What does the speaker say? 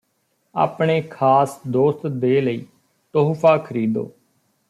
ਆਪਣੇ ਖਾਸ ਦੋਸਤ ਦੇ ਲਈ ਤੋਹਫਾ ਖਰੀਦੋ